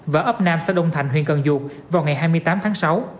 và ấp nam xa đông thành huyện cần dược vào ngày hai mươi tám tháng sáu